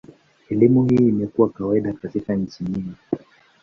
Elimu hii imekuwa kawaida katika nchi nyingi.